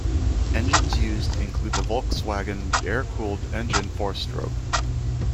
Engines used include the Volkswagen air-cooled engine four-stroke.